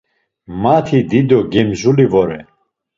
Mati dido gemzuli vore.